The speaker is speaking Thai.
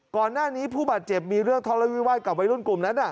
ก่อนหน้านี้ผู้บาดเจ็บมีเรื่องทะเลาวิวาสกับวัยรุ่นกลุ่มนั้น